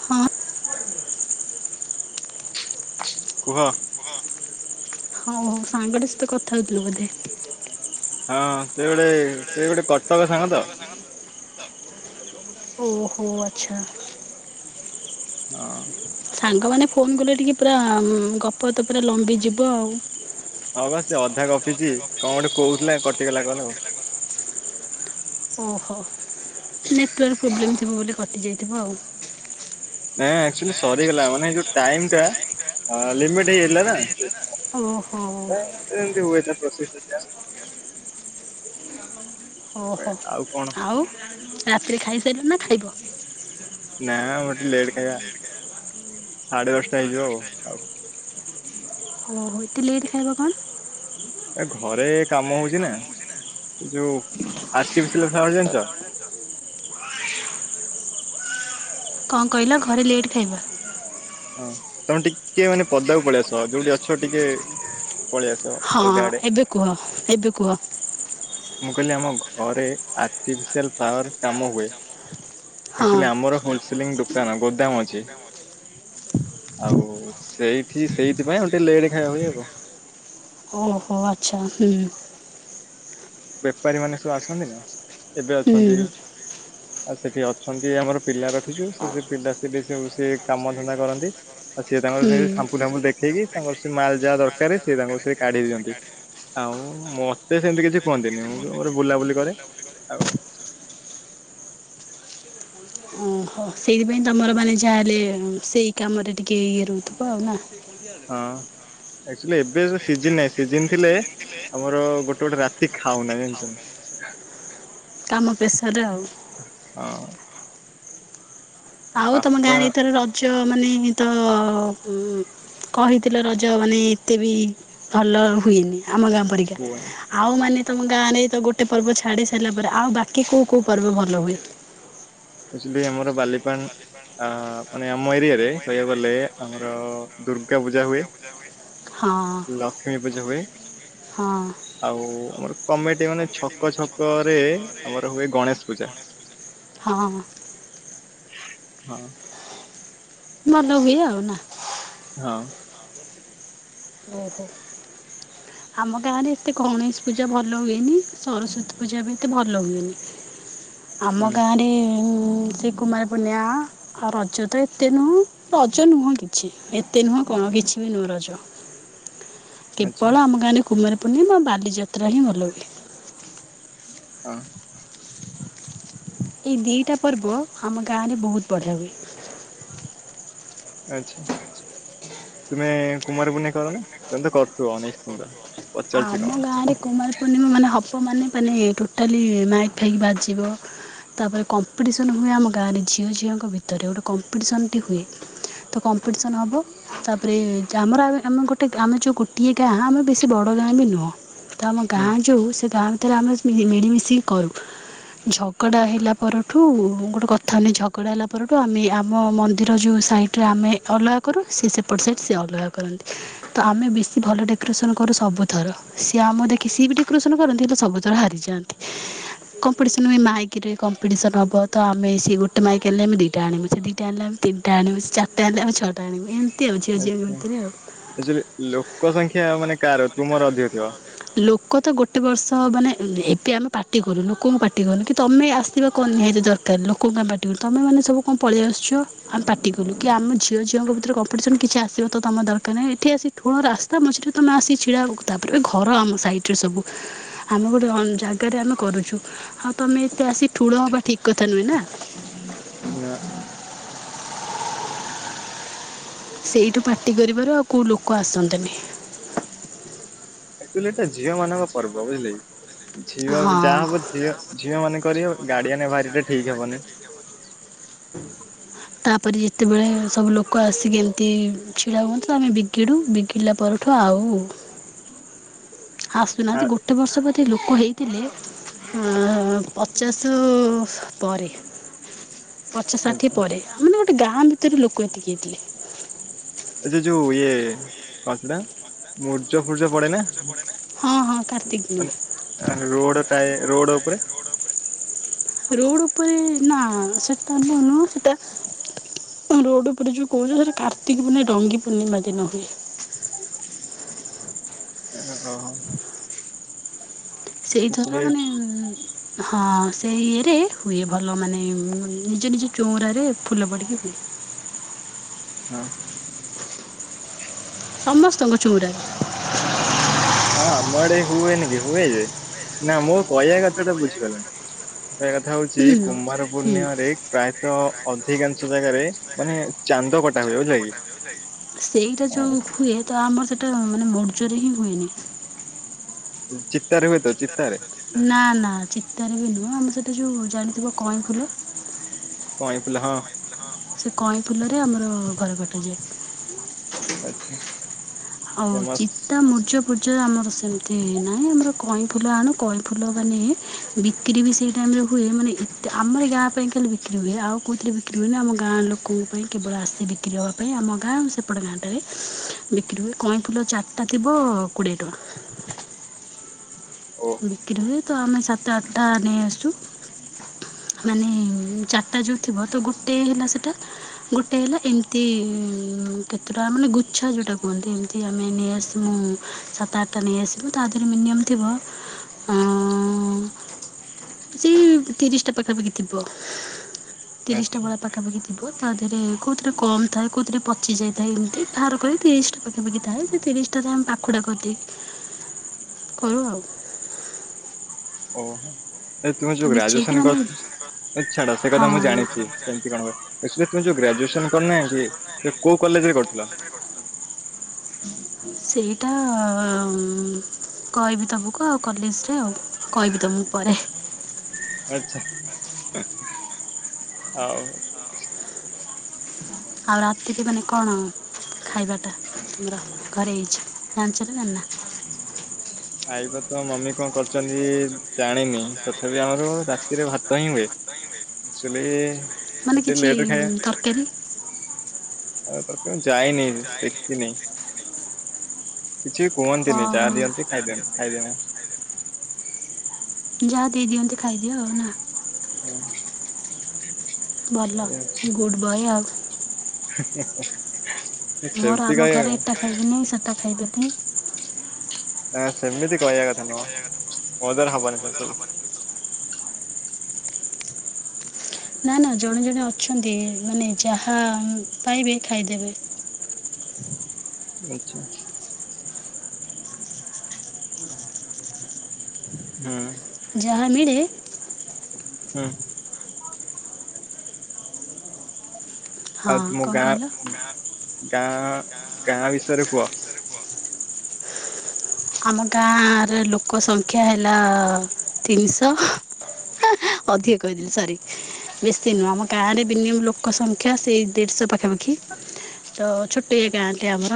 ହଁ କୁହ ହଉ ହଉ ସାଙ୍ଗରେ ସହିତ କଥା ହଉଥିଲ ବୋଧେ? ହଁ ସେଇଭଳେ ସେଇ ଗୋଟେ କଟକ ସାଙ୍ଗ ତ ଓହୋ ଆଚଛା ହଁ ସାଙ୍ଗମାନୋନେ ଫୋନ କଲେ ଟିକେ ପୁରା ଗପ ତ ପୁରା ଲମ୍ବିଯିବ ଆଉ। ହଉ ବା ସେ ଅଧା କପିଛି କଣ ଗଠୁ କହୁଥିଲା କଟିଗଲା କଣ ଆଉ। ଓହୋ ନେଟୱାର୍କ ପ୍ରୋବ୍ଲେମ୍ ଥିବ ବୋଲି କଟିଯାଇଥିବ ଆଉ। ନାଇଁ ଆଚୁଲି ସରିଗଲା ମାନେ ଯୋଉ ଟାଇ ଟା ଲିମିଟ ହେଇ ନା। ଓହୋ [unintelligible] ପ୍ରୋସେସରା ଟା ଟା ଓହୋ ଆଉ କଣ ଆଉ ରାତିରେ ଖାଇସାରିଲ ନା ଖାଇବ? ନା ମୋତେ ଲେଟ୍ ଖାଇବା ସାଢେ ଦଶଟା ହେଇଯିବ ଆଉ ଆଉ। ଓହୋ ଏତେ ଲେଟ ଖାଇବା କନ? ଏ ଘରେ କାମ ହଉଛି ନା ଯୋଉ ଆଟିଫିସିଆଲ ପ୍ଲାୱେର ଜାଣିଛ? କଣ କହିଲ ଘରେ ଲେଟ୍ ଖାଇବା? ହଁ ତମେ ଟିକେ ମାନେ ପଦାକୁ ପଳେଇଆସ ଯୋଉଠି ଅଛ ଟିକେ ପଳେଇ ଆସ ହଁ ଅଲଗା ଆଡେ ଏବେ କୁହ ଏବେ କୁହ। ମୁଁ କହିଲି ଆମ ଘରେ ଆର୍ଟିଫିସିଆଲ ପ୍ଲାୱେର କାମ ହୁଏ। ହଁ। ଆଚୁଆଲି ଆମର ହୋଲସେଲିଂ ଦୋକାନ ଗୋଦାମ ଅଛି। ଆଉ ସେଇଠି ସେଇଥିପାଇଁ ଗଟେ ଲେଟ ଖାଇବା ହୁଏ ଆଉ। ଓହୋ ଆଚ୍ଛା ହୁଁ। ବେପାରୀ ମାନେ ସବୁ ଆସନ୍ତି ନା ଏବେ ହୁଁ ଅଛନ୍ତି। ଆଉ ସେଠି ଅଛନ୍ତି ଆମର ପିଲା ରଖିଛୁ ସେ ପିଲା ସେଠ ସେ କାମ ଧନ୍ଦା କରନ୍ତି। ଆଉ ସି ତାଙ୍କ ସେ ହୁଁ। ସାମ୍ପୁ ଫାମ୍ପୁ ଦେଖେଇକି ତାଙ୍କର ସେ ମାଲ ଯାହା ଦରକାର ସେଏ ତାଙ୍କୁ ସେରେ କାଢି ଦିଅନ୍ତି ଆଉ ମତେ ସେମିତି କିଛି କୁହନ୍ତିନି ମୁଁ ମୋ ବୁଲାବୁଲି କରେ। ଆଉ ଓହୋ ସେଇଥିପାଇଁ ତମର ମାନେ ଯାହାହେଲେ ସେଇ କାମରେ ଟିକେ ଇଏ ରହୁଥିବ ଆଉ। ନା? ହଁ ଆକ୍ଚୁଆଲି ଏବେ ତ ସିଜିନ ନାହିଁ ସିଜିିନ ଥିଲେ ଆମର ଗୋଟେ ଗୋଟେ ରାତି ଖାଉନା ଜାଣିଚ? କାମପେଶରେ ଆଉ। ହଁ ଆଉ ତମ ବାପା ଗାଁରେ ଏଥର ରଜ ମାନେ ତ ଉ କହିଥିଲ ରଜ ମାନେ ଏତେ ବି ଭଲ ହୁଏନି ଆମ ଗାଁ ପରିକା। କୁହନି ଆଉ ମାନେ ତମ ଗାଁରେ ତ ଗୋଟେ ପର୍ବ ଛାଡି ସାଇଲା ପରେ ଆଉ ବାକି କୋଉ କୋଉ ପର୍ବ ଭଲ ହୁଏ? ଆକଚୋଲି ଆମର ବାଲିପାନ୍ ଆ ମାନେ ଆମ ଏରିଆରେ କହିବାକୁ ଗଲେ ଆମର ଦୁର୍ଗା ପୂଜା ହୁଏ। ହଁ ଲକ୍ଷ୍ମୀ ପୂଜା ହୁଏ। ହଁ ଆଉ ଆମର କମିଟି ମାନେ ଛକ ଛକରେ ଆମର ହୁଏ ଗଣେଶ ପୂଜା। ହଁ। ହଁ। ଭଲ ହୁଏ ଆଉ ନା। ହଁ। ଓହୋ। ଆମ ଗାଁରେ ଏତେ ଗଣେଶ ପୂଜା ଭଲ ହୁଏନି ସରସ୍ଵତୀ ପୂଜା ବି ଏତେ ଭଲ ହୁଏନି। ଆମ ହୁଁ ଗାଁରେ ସେଇ କୁମାର ପୂର୍ଣ୍ଣିମା ଆଉ ରଜ ତ ଏତେ ନୁହଁ ରଜ ନୁହଁ କିଛି ଏତେ ନୁହଁ କଣ କିଛି ବି ନୁହଁ ରଜ। ଆଚ୍ଛା କେବଳ ଆମ ଗାଁରେ କୁମାରୀ ପୂର୍ଣ୍ଣିମା ଆଉ ବାଲିଯାତ୍ରା ହିଁ ଭଲ ହୁଏ। ଅଁ। ଏଇ ଦିଇଟା ପର୍ବ ଆମ ଗାଁରେ ବୋହୁତ ବଢ଼ିଆ ହୁଏ। ଆଚ୍ଛା। ତୁମେ କୁମାର ପୂନେଇଁ କରନା ତମେ ତ କରୁଥିବ ନିଶ୍ଚିନ୍ତ। ପଚାରୁଛି ଆମ କଣ ଗାଁରେ କୁମାର ପୂର୍ଣ୍ଣିମା ମାନେ ହବ ମାନେ ମାନେ ଟୋଟାଲି ମାଇକ ଫାଇକି ବାଜିବ ତାପରେ କମ୍ପିଟିସନ ହୁଏ ଆମ ଗାଁରେ ଝିଅ ଝିଅଙ୍କ ଭିତରେ ଗୋଟେ କମ୍ପିଟିସନଟି ହୁଏ। ତ କମ୍ପିଟିସନ ହବ ତାପରେ ଆମର ଆଉ ଏ ଆମ ଗୋଟେ ଗ୍ ଆମେ ଯୋଉ ଗୋଟିଏ ଗାଁ ଆମେ ବେଶୀ ବ ବଡ ଗାଁ ବି ନୁହଁ ତ ଆମ ପାଇଁ ଗାଁ ଯୋଉ ସେ ଗାଁ ଭିତରେ ଆମେ ଯ୍ ମିଳିମିଶିକି କରୁ। ଝଗଡ଼ା ହେଲା ପରଠୁ ଗୋଟେ କଥାକୁ ନେଇ ଝଗଡ଼ା ହେଲା ପରଠୁ ଆଉ ଆମେ ଆମ ମନ୍ଦିର ଯୋଉ ସାଇ ଏଠି ଆମେ ଅଲଗା କରୁ ସେ ସେପଟ ସାଇଡ ସେ ଅଲଗା କରନ୍ତି ତ ଆମେ ବେଶୀ ଭଲ ଡାକୋରେସନ କରୁ ସ୍ ସବୁଥର ସିଏ ଆମ ଦେଖି ସିଏ ବି ଡେକୋରେସନ କରନ୍ତି ହେଲେ ସବୁଥର ହାରିଯାଆନ୍ତି। କମ୍ପିଟିସନ ହୁଏ ମାଇକରେ କମ୍ପିଟିସନ ହବ ତ ଆମେ ସିଏ ଗୋଟେ ମାଇକ ହେଲେ ଆମେ ଦିଇଟା ଆଣିବୁ ସିଏ ଦିଇଟା ଆଣିଲେ ଆମେ ତିନଟା ଆଣିବୁ ସିଏ ଚାରଟା ଆଣଲେ ଆଉ ଛଅଟା ଆଣିବୁ ଏମତି ଆଉ ଝିଅ ଝିଅଙ୍କ ଭିତରେ ଆଉ। ଆକଚୋଲି ଲୋକ ସଂଖ୍ୟା ମାନେ କାହାର ତୁମର ଅଧିକ ଥିବ। ଲୋକ ତ ଗୋଟେ ବର୍ଷ ମାନେ ଏ ଏବେ ଆମେ ପାଟି କରୁ ଲୋକଙ୍କୁ ପାଟି କରୁ କି ତମେ ଆସ୍ ସିବା କଣ ନିହାତି ଦରକାର ଲୋକଙ୍କୁ ଆମେ ପାଟି କରୁ ତମେମାନେ ସବୁ କଣ ପଳେଇ ଆସୁଚ ଆମେ ପାଟି କଲୁ କି ଆମେ ଝିଅ ଝଅଙ୍କ ଭିତରେ କମ୍ପିଟିସନ କିଛି ଆସିବା ତ ତମ ଦରକାର ନାହିଁ ଏଠି ଆସି ଠୁଳ ରାସ୍ତା ମଝିରେ ତମେ ଆସି ଛିଡ଼ା ହବ ତାପରେ ବି ଘର ଆମ ସାଇଟରେ ସବୁ ଆମେ ଗୋଟେ କଣ ଜାଗାରେ ଆମେ କରୁଚୁ ଆଉ ତମେ ଏତେ ଆସି ଠୁଳ ହବା ଠିକ କଥା ନୁହେଁ ନା। ନା। ସେଇଠୁ ପାଟି କରିବାରୁ ଆଉ କୋଉ ଲୋକ ଆସନ୍ତେନି। ଆକଚୋଲି ଏଟା ଝିଅମାନଙ୍କ ପର୍ବ ବୁଝିଲେକି ଝିଅ ମାନ ଯାହା ହଁ ହବ ଝିଅ ଝିଅମାନେ କରିବେ ଗାଡିଆନ ବାହାରିଲେ ଠିକ ହେବନି। ହ ତାପରେ ଯେତେବେଳେ ସବୁ ଲୋକ ଆସିକି ଏମତି ଛିଡା ହୁଅନ୍ତି ତ ଆମେ ବିଗିଡୁ ବିଗିଡିଲା ପର ଠୁ ଆଉ ଆ ଆସୁନାହାନ୍ତି ଗୋ ଗୋଟେ ବର୍ଷ ବୋଧେ ଲୋକ ହେଇଥିଲେ ଅଁ ପଚାଶ ପରେ। ପଚାଶ ଷାଠିଏ ଆଚ୍ଛା ପରେ ଆ ମାନେ ଗୋଟେ ଗାଁ ଭିତରେ ଲୋକ ଏତିକି ହେଇଥିଲେ। ଆଛା ଯୋଉ ଇଏ କଣ ସେଟା ମୁର୍ଜ ଫୁର୍ଜ ପଡେ ନା? ହଁ ହଁ କାର୍ତ୍ତିକ ଦିନ। ଆ ରୋଡ ଟାଏ ରୋଡ ଉପରେ ରୋଡ଼ ଉପରେ ନା ସେଟା ତ ନୁଅ ସେଟା ରୋଡ ଉପରେ ଯୋଉ କହୁଛ ସେଟା କାର୍ତ୍ତିକ ପୂର୍ନେଇ ଡଙ୍ଗୀ ପୂର୍ଣ୍ଣିମା ଦିନ ହୁଏ। [inaudible] ଏକା କହ ସେଇଥର ଆକ୍ଚୁଆଲି ମାନେ ହଁ ଉଁ ହଁ ସେ ଇଏରେ ହୁଏ ଭଲ ମାନେ ନିଜ ନିଜ ଚଉରାରେ ଫୁଲ ପଡିକି ହୁଏ। ହଁ। ସମସ୍ତଙ୍କ ଚୋଉଁରା। ହଁ ଆମ ଆଡ଼େ ହୁଏନି କି ହୁଏ ଯେ ନା ମୋ କହିବା କଥା ଟା ବୁଝିପାରିଲନି। କହିବା କଥା ହଉଛି ହୁଁ କୁମାର ହୁଁ। ପୂର୍ଣ୍ଣିମାରେ ପ୍ରାୟତଃ ଅଧିକାଂଶ ଜାଗାରେ ମାନେ ଚାନ୍ଦ କଟା ହୁଏ ବୁଝିଲ କି କି? ସେଇଟା ଆଉ ଯୋଉ ହୁଏ ତ ଆମର ସେଇଟା ମାନେ ମୌର୍ଯ୍ୟରେ ହିଁ ହୁଏନି। ଚିତା ରେ ହୁଏ ତ ଚିତାରେ। ନା ନା ଚିତାରେ ବି ନୁହଁ ଆମ ସେଟା ଯୋଉ ଜାଣିଥିବ କଇଁ ଫୁଲ। କଁଇଁ ଫୁଲ ହଁ। ସେ କଇଁ ଫୁଲରେ ଆମର ଘର କଟାଯାଏ। ଆଚ୍ଛା। ଆଉ ଫେମସ୍ ଚିତ୍ ତା ମୂର୍ଜ ଫୁର୍ଜ ରେ ଆମର ସେମିତି ନାହିଁ ଆମର କଇଁ ଫୁଲ ଆଣୁ କଇଁ ଫୁଲ ମାନେ ବିକ୍ରି ବି ସେଇ ଟାଇମ ରେ ହୁଏ ମାନେ ଏତେ ଆମର ଗାଁ ପାଇଁ ଖାଲି ବିକ୍ରି ହୁଏ ଆଉ କହୁଥିରେ ବିକ୍ ବିକ୍ରି ହୁଏନି ଆମ ଗାଁ ଲୋକଙ୍କ ପାଇଁ କେବଳ ଆସେ ବିକ୍ରି ହେବା ପାଇଁ ଆମ ଗାଁ ଆଉ ସେପଟେ ଗାଁଟାରେ ବିକ୍ରି ହୁଏ। କଇଁଫୁଲ ଚାରିଟା ଥିବ କୋଡ଼ିଏ ଟଙ୍କା। ଓ ବିକ୍ରି ହୁଏ ତ ଆମେ ସାତ ଆଠଟା ନେଇ ଆସୁ। ମାନେ ଚାରିଟା ଯୋଉ ଥିବ ତ ଗୋଟେ ହେଲା ସେଟା। ଗୋଟେ ହେଲା ଏମିତି ଉଁ କେତେଟା ମାନେ ଗୁଚ୍ଛା ଯୋଉଟା କୁହନ୍ତି ଏମତି। ଏମତି ଆମେ ନେଇଆସିମୁଁ ସାତ ଆଠଟା ନେଇଆସିମୁଁ ତା ଦେହରେ ମିନିୟମ ଥିବ ହଁ ସେଇ ତିରିଶଟା ପାଖାପାଖି ଥିବ। ତିରିଶଟା ଆଚ୍ଛା ଭଳିଆ ପାଖାପାାଖି ବହୁତ୍ ତା ଦେହରେ କୋଉଥିରେ କମ ଥାଏ କୋଉଥିରେ ପଚି ଯାଇଥାଏ ଏମିତି ବାହାର କରି ତିରିଶଟା ପାଖାପାଖି ଥାଏ ସେ ତିରିଶ ଆମେ ପାଖୁଡ଼ା କରିଦିଏ। କରୁ ଆଉ। ଓହ ଏ ତୁ ଯୋଉ ମିଶେଇକି ଗ୍ରାଜୁଏସନ ମାନେ କରିଛୁ ଏ ଛାଡ ସେ କଥା ମୁଁ ଜାଣିଛି। ସେମତି ହଁ। କଣ ହୁଏ, ଏ ଶୁଣେ ତୁ ଯୋଉ ଗ୍ରାଜୁଏନ କରିନ କି ତ କୋଉ କଲେଜରେ କରିଥିଲ? ସେଇଟା ଉଁ କହିବି ତମକୁ ଆଉ କଲେଜରେ ଆଉ କହିବି ତମକୁ ପରେ। ଆଛା ହଉ ଆଉ ରାତି କି ମାନେ କଣ? ଖାଇବାଟା ତମର ଘରେ ହେଇଛି ଜାଣିଛ ନା ଜାଣିନା। ଖାଇବା ତ ମମି କଣ କରିୁଛନ୍ତି ଜାଣିନି ତଥାପି ଆମର ରାତିରେ ଭାତ ହିଁ ହୁଏ। ଚୁଲି। ମାନେ ଏତେ କିଛି ଲେଟରେ ଖାଇବା, ତରକାରୀ ଆଉ ତରକ୍ ମୁ ଯାଇନି। ଦେଖିନେଇ କିଛି ଅ କୁହନ୍ତିନି ଯାହା ହଁ। ଦିଅନ୍ତି ଖାଇଦନ୍ତ ଖାଇଦିଏ ମୁଁ। ଯାହା ଦେଇଦିଅନ୍ତି ଖାଇଦିଅ ଆଉ ନା। ହୁଁ। ଭଲ ଗୁଡ୍ ବଏ ଆଉ। ମୋର ସେମତି ଆମ କହିବା ଘରେ କଣ। ଏଟା ଖାଇବିନି ସେଟା ଖାଇଦେବି ଆଁ ସେମିତି କହିବା କଥା ନୁହ। ମୋ ଦ୍ୱାରା ହବନି ସେସବୁ। ନା ନା ଜଣେ ଜଣେ ଅଛନ୍ତି ମାନେ ଯାହା ପାଇବେ ଖାଇଦେବେ। ଆଚ୍ଛା ଆଚ୍ଛା। ହୁଁ। ଯାହା ମିଳେ ହୁଁ। ହଁ ଆଉ ତୁମ କଣ ଗାଁ କହିଲ? ଗାଁ ଗାଁ ବିଷୟରେ କୁହ। ଆମ ଗାଁର ଲୋକ ସଂଖ୍ୟା ହେଲା ତିନିଶହ। ଅଧିକ କହିଦେଲି ସରି। ବେଶୀ ନୁହଁ ଆମ ଗାଁରେ ମିନିମମ୍ ଲୋକ ସଂଖ୍ୟା ସେଇ ଦେଢଶହ ପାଖାପାଖି। ତ ଛୋଟିଏ ଗାଁଟେ ଆମର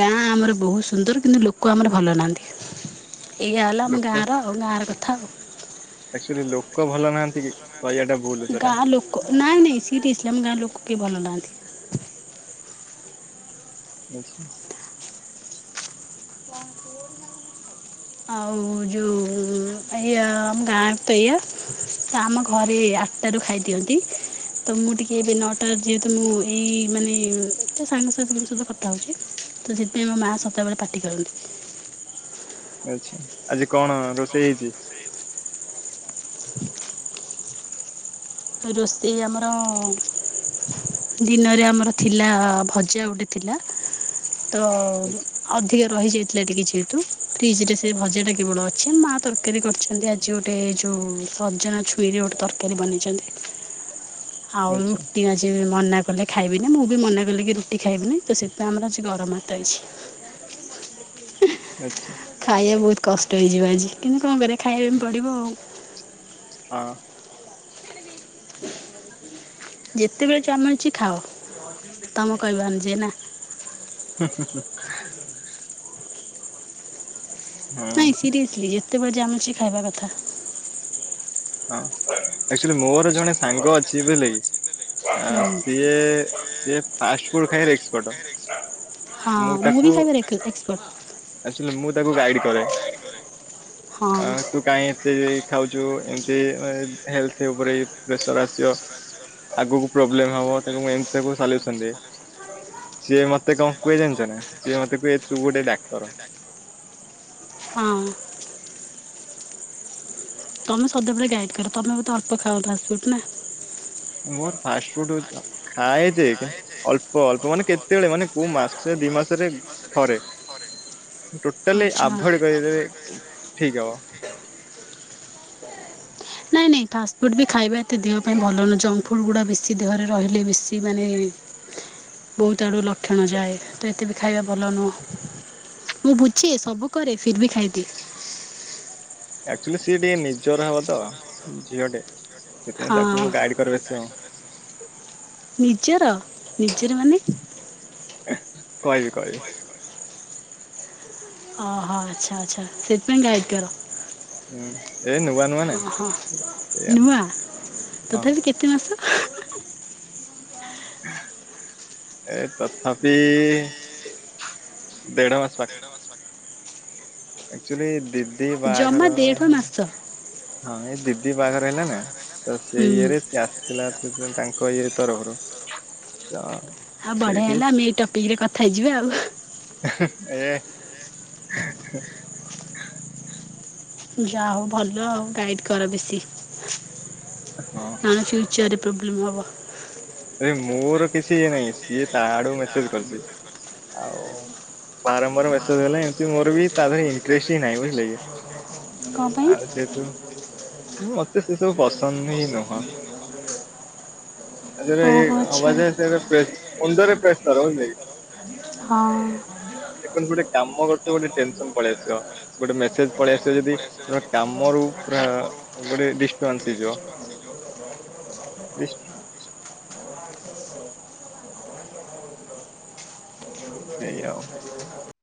ଗାଁ ଆମର ବହୁତ ସୁନ୍ଦର କିନ୍ତୁ ଲୋକ ଆମର ଭଲ ନାହାଁନ୍ତି ଏଇଆ ହେଲା ଆମ ଗାଁର ଆଉ ଗାଁର କଥା ଆଉ। ଆକଚୁଆଲି ଲୋକ ଭଲ ନାହାନ୍ତି କି? କହିବାଟା ଭୁଲ ସେଟା। ଗାଁ ଲୋକ ନାଇଁ ନାଇଁ ସିରିଏସ୍ଲି ଆମ ଗାଁ ଲୋକ କିଏ ଭଲ ନାହାନ୍ତି। ଆଚ୍ଛା। ଆଉ ଯୋଉ ଏୟା ଆମ ଗାଁରେ ତ ଏୟା। ତ ଆମ ଘରେ ଆଠଟାରୁ ଖାଇଦିଅନ୍ତି। ତ ମୁଁ ଟିକେ ଏବେ ନଅଟା ଯେହେତୁ ମୁଁ ଏଇ ମାନେ ସାଙ୍ଗସାଥିଙ୍କ ସହ କଥା ହଉଛି ତ ସେଥିପାଇଁ ମୋ ମା ସଦାବେଳେ ପାଟି କରନ୍ତି। ଆଛା ଆଜି କଣ ରୋଷେଇ ହେଇଛି? [inaudible] ରୋଷେଇ ଆମର ଦିନରେ ଆମର ଥିଲା ଭଜା ଗୋଟେ ଥିଲା। ତ ଆଚ୍ଛା ଅଧିକା ରହି ଯାଇଥିଲା ଏ ଟିକେ ଯେହେତୁ ଫ୍ରିଜରେ ସେ ଭଜାଟା କେବଳ ଅଛି। ମା ତରକାରୀ କରିଛନ୍ତି ଆ ଆଜି ଗୋଟେ ଯୋଉ ସଜନା ଛୁଇଁ ରେ ଗୋଟେ ତରକାରୀ ବନେଇଛନ୍ତି। ଆଉ ଆଚ୍ଛା ରୁଟି ଅଛି ମନା କହିଲେ ଖାଇବିନି। ମୁଁ ବି ମନା କଲି କି ରୁଟି ଖାଇବିନି ତ ସେଥିପାଇଁ ଆମର ଆଜି ଗରମ ଭାତ ହେଇଛି। [unintelligible] ଆଚ୍ଛା। ଖାଇବା ବହୁତ କଷ୍ଟ ହେଇଯିବ ଆଜି। କିନ୍ତୁ କଣ କରିବା ଖାଇବା ପାଇଁ ପଡିବ ଆଉ। ହଁ। ଯେତେବେଳେ ଯା ମିଳୁଛି ଖାଅ ତମ କହିବ ଅନୁଯାଇ ନା। ହି ହିଁ ହିଁ। ନାଇଁ ହଁ ସିରୟେସଲି ଯେତେବେଳେ ଯାହା ମିଳୁଛି ଖାଇବା କଥା। ହଁ ଆକ୍ଚୁଲି ମୋର ଜଣେ ସାଙ୍ଗ ଅଛି ବୁଝିଲ କି ହୁଁ ଅ ସିଏ ସିଏ ଫାଷ୍ଟ୍ ଫୁଡ୍ ଖାଇବା ରେ ଏକ୍ସପଟ୍। ହଁ ମୁଁ ଭି ଖାଇବା ରେ ଏକ ଏକ୍ସପର୍ଟ୍। ଆକ୍ଚୁଲି ମୁଁ ତାକୁ ଗାଇଡ୍ କରେ। ହଁ ଆଁ ତୁ କାଇଁ ଏତେ ଖାଉଛୁ ଏମତି ମାନେ ହେଲ୍ଥ ଉପରେ ପ୍ରେସର୍ ଆସିବ। ଆଗକୁ ପ୍ରୋବ୍ଲେମ୍ ହବ। ତାକୁ ମୁ ଏମତି ସବୁ ସଲ୍ୟୁସନ୍ ଦିଏ। ସିଏ ମତେ କଣ କୁହେ ଜାଣିଛ ନା ସିଏ ମତେ କୁହେ ତୁ ଗୋଟେ ଡାକ୍ତର‌। ହଁ। ତମେ ସଦାବେଳେ ଗାଇଡ କର ତମେ ବୋଧେ ଅଳ୍ପ ଖାଅ ଫାଷ୍ଟ୍ ଫୁଡ୍ ନା। ମୋର ଫାଷ୍ଟ୍ ଫୁଡ୍ ଜ ଖାଏ ଯେ କିନ୍ତୁ ଅଳ୍ପ ଅଳ୍ପ ମାନେ କେତେବେଳେ ମାନେ କୋଉ ମାସେ ଦି ମାସରେ ଥରେ ମୁଁ ଟୋଟାଲି ଆଚ୍ଛା। ଆଭୋଏଡ୍ କରିଦେଲେ ଠିକ୍ ହବ। [unintelligible] ନାଇଁ ନାଇଁ ଫାଷ୍ଟଫୁଡ଼ ବି ଖାଇବା ଏତେ ଦେହ ପାଇଁ ଭଲ ନୁହଁ ଜଙ୍କ୍ ଫୁଡ୍ ଗୁଡ଼ା ବେଶୀ ଦେହରେ ରହିଲେ ବେଶୀ ମାନେ [inaudible] ବହୁତ ଆଡ଼ୁ ଲକ୍ଷଣ ଯାଏ ତ ଏତେ ବି ଖାଇବା ଭଲ ନୁହଁ। ମୁଁ ବୁଝେ ସବୁ କରେ ଫିର୍ ଭି ଖାଇଦିଏ। ଆକ୍ଚୁଲି ସିଏ ଟିକେ ନିଜର ହବ ତ ଝିଅ ଟେ ସେଥିପାଇଁ ତାକୁ ହଁ ମୁଁ ଗାଡି କର ବେସି ଆଉ। ନିଜର ନିଜର ମାନେ? ଏ କହିବି କହିବି। ହଁ ହଁ ଆଛା ଆଛା ସେଥିପାଇଁ ଗାଳି କର। ହୁଁ ଏ ନୁଆ ନୁଆ ନେ ଓହୋ ସେୟା ହଁ। କି ଅସ ଏ ତଥାପି ଦେଢ଼ ମାସ ପା ଆକ୍ଚୁଲି ଦିଦି ଜମା ବାହାଘର ଦେଢ଼ ହେଲ ମାସ ହଁ ଏଇ ଦିଦି ବାହାଘର ହେଲା ନା ତ ସେ ହୁଁ ଇଏରେ ସେ ଆସ ଥିଲା ସେଥିପାଇଁ ତାଙ୍କ ଇଏ ତରଫରୁ। ତ ଆ ବଢିଆ ସେଇଠି ହେଲା ଆମେ ଏଇ ଟପିକ୍ ରେ କଥା ହେଇଯିବା ଆଉ। ହିଁ ହିଁ ଏ ଯା ହଉ ଭଲ ଆଉ ଗାଇଡ କର ବେଶୀ। ହଁ। ପୁଣି ଫ୍ୟୁଚର ରେ ପ୍ରୋବ୍ଲେମ୍ ହବ। ଆରେ ମୋର କିଛି ଇଏ ନାହିଁ ସିଏ ତା ଆଡୁ ମେସେଜ୍ କରିଚି। ଆଉ ବାରମ୍ବାର ମେସେଜ୍ ହେଲା ଏମିତି ମୋର ବି ତାଧିରେ ଇନଟ୍ରେଷ୍ଟ୍ ହିଁ ନାହିଁ ବୁଝିଲା କି? କ'ଣ ପାଇଁ ଆଉ ଯେହେତୁ ମତେ ସେସବୁ ପସନ୍ଦ ହିଁ ନୁହଁ। ଆଜରେ ଏଇ ଓହୋ ଆଚ୍ଛା ହବଯେ ସେତ ପ୍ରେସ ମୁଣ୍ଡରେ ପ୍ରେସର୍ ବୁଝିଲ କି? ହଁ। ଦେଖନ୍ତୁ ଗୋଟେ କାମ କରୁଥିବ ଯେ ଗୋଟେ ଟେନସନ୍ ପଳେଇଆସିବ ଗୋଟେ ମେସେଜ୍ ପଳେଇଆସେ ଯଦି। [inaudible] ଏ ଗୋଟେ ଡିଷ୍ଟବାନ୍ସ୍ ହେଇଯିବ ଡିସ୍ ଏଇ ଆଉ। ହ ଖ